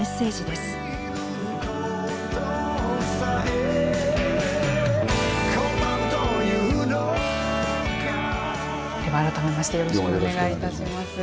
では、改めましてよろしくお願いいたします。